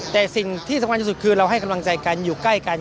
แต่สิ่งที่สำคัญที่สุดคือเราให้กำลังใจกันอยู่ใกล้กัน